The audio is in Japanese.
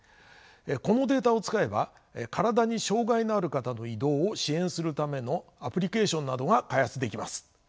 このデータを使えば体に障碍のある方の移動を支援するためのアプリケーションなどが開発できます。